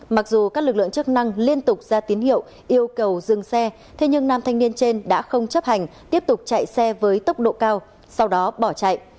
mặc dù các lực lượng chức năng liên tục ra tín hiệu yêu cầu dừng xe thế nhưng nam thanh niên trên đã không chấp hành tiếp tục chạy xe với tốc độ cao sau đó bỏ chạy